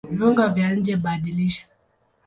Viungo vya njeBadilisha